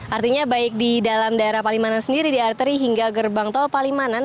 artinya baik di dalam daerah palimanan sendiri di arteri hingga gerbang tol palimanan